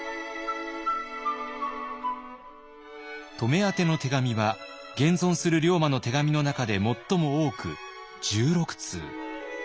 乙女宛ての手紙は現存する龍馬の手紙の中で最も多く１６通。